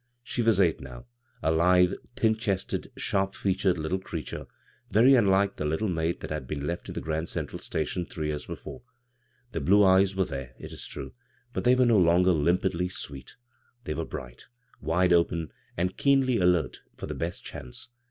She was eight now, a lithe, thin<hested, diarp featured litde creature very unlike the little maid that bad been left in the Gnmd Central Station three years befcM%, The blue eyes were there, it is true, but they were no longer Umpidly sweet; they were bright, b, Google CROSS CURRENTS wide open, and keenly alert for "the best chance."